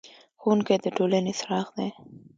ښوونکی د ټولنې څراغ دی.